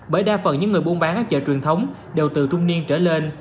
bởi đa phần những người buôn bán các chợ truyền thống đều từ trung niên trở lên